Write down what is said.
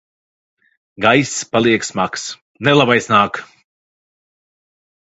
Gaiss paliek smags. Nelabais nāk!